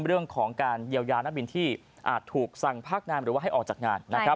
เรื่องของการเยียวยานักบินที่อาจถูกสั่งพักงานหรือว่าให้ออกจากงานนะครับ